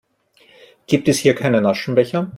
Gibt es hier keinen Aschenbecher?